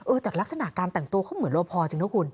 แต่ลักษณะการแต่งตัวเขาเหมือนรอพอจริงนะคุณ